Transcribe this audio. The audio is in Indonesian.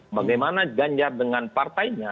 bagaimana ganjar dengan partainya